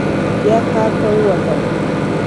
بیا ښار ته ووتلو.